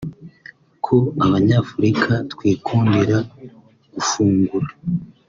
ko Abanyafurika twikundira gufungura